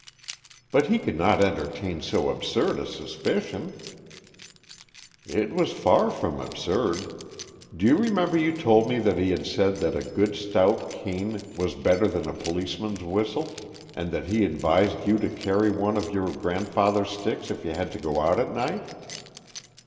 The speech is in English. "But he could not entertain so absurd a suspicion!" "It was far from absurd. Do you remember you told me that he had said that a good stout cane was better than a policeman's whistle, and that he advised you to carry one of your grandfather's sticks if you had to go out at night?"